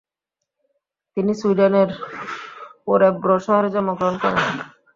তিনি সুইডেনের ও্যরেব্রো শহরে জন্মগ্রহণ করেন।